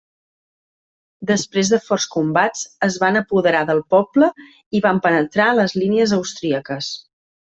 Després de forts combats, es van apoderar del poble i van penetrar les línies austríaques.